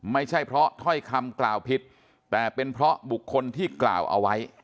ไม่ใช่เพราะถ้อยคำกล่าวผิดแต่เป็นเพราะบุคคลที่กล่าวเอาไว้